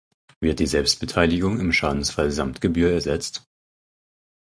Wird die Selbstbeteiligung im Schadensfall samt Gebühr ersetzt?